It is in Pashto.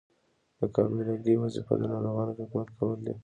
د قابله ګۍ وظیفه د ناروغانو خدمت کول دي.